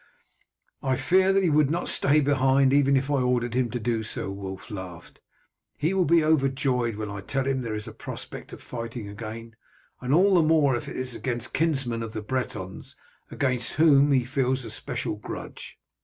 "I fear that he would not stay behind even if I ordered him to do so," Wulf laughed. "He will be overjoyed when I tell him there is a prospect of fighting again, and all the more if it is against kinsmen of the Bretons, against whom he feels a special grudge."